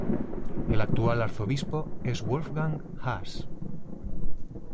El actual arzobispo es Wolfgang Haas.